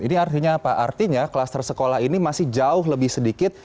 ini artinya apa artinya kluster sekolah ini masih jauh lebih sedikit